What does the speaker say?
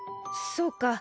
そうか。